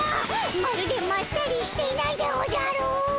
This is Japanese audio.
まるでまったりしていないでおじゃる！